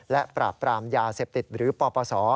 และปราบปรามยาเสพติดหรือปปศ